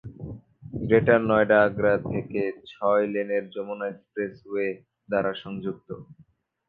Greater Noida Agra থেকে ছয়-লেনের Yamuna expressway দ্বারা সংযুক্ত।